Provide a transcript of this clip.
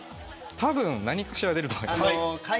たぶん何かしら出ると思います。